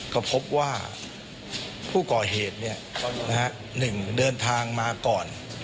ก็พบว่าผู้ก่อเหตุนี่นะครับ